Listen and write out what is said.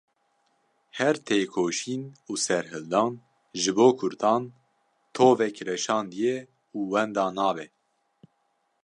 Her têkoşîn û serhildan ji bo kurdan tovek reşandiye û wenda nabe.